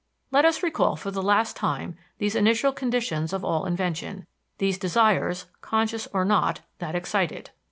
Let us recall for the last time these initial conditions of all invention these desires, conscious or not, that excite it.